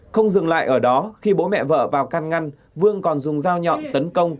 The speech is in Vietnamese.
không dừng lại ở đó khi bố mẹ vợ vào can ngăn vương còn dùng dao nhọn tấn công